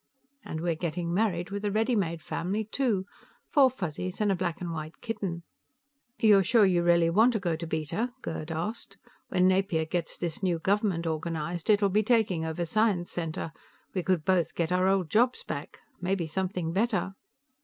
And we're getting married with a ready made family, too. Four Fuzzies and a black and white kitten. "You're sure you really want to go to Beta?" Gerd asked. "When Napier gets this new government organized, it'll be taking over Science Center. We could both get our old jobs back. Maybe something better."